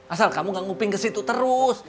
asal kamu ga nguping kesitu terus